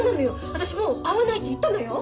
私もう会わないって言ったのよ？